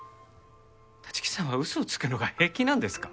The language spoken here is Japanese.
立木さんは嘘をつくのが平気なんですか？